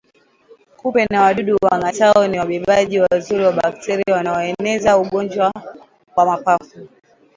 Kupe na wadudu wangatao ni wabebaji wazuri wa bakteria wanaoeneza ugonjwa wa mapafu